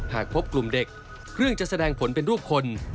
หากพบกลุ่มเด็กเครื่องจะแสดงผลเป็นรูปคน